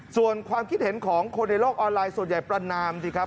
ส่วนความคิดเห็นของคนในโลกออนไลน์ส่วนใหญ่ประนามสิครับ